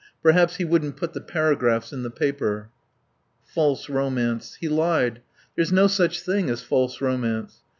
Perhaps he wouldn't put the paragraphs in the papers. "False romance. He lied. There's no such thing as false romance.